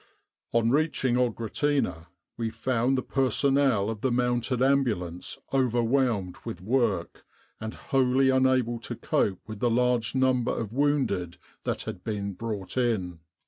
On reaching Oghratina, we found the per sonnel of the Mounted Ambulance overwhelmed with work, and wholly unable to cope with the large number of wounded that had been brought in.